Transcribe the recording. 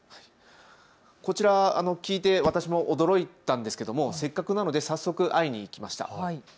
こちら聞いて私も驚いたんですけどもせっかくなので早速会いに行きました。